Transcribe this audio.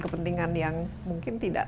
kepentingan yang mungkin tidak